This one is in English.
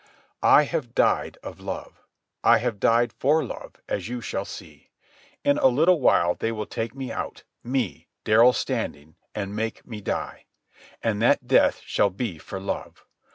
I have died of love. I have died for love, as you shall see. In a little while they will take me out, me, Darrell Standing, and make me die. And that death shall be for love.